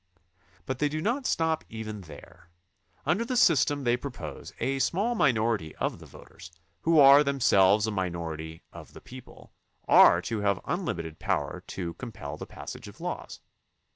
But they do not stop even there. Under the system they propose a small minority of the voters, who are themselves a minority of the people, are to have im limited power to compel the passage of laws.